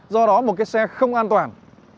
do đó một cái xe không an toàn